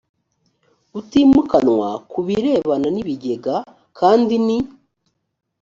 utimukanwa ku birebana nibigega kandi ni